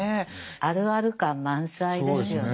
あるある感満載ですよね。